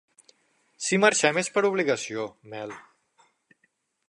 Si marxem és per obligació, Mel.